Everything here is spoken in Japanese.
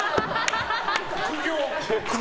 苦行？